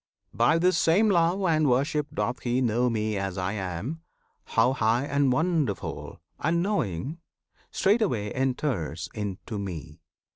By this same love and worship doth he know Me as I am, how high and wonderful, And knowing, straightway enters into Me.